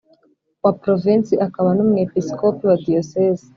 wa Provensi akaba n Umwepisikopi wa Diyoseze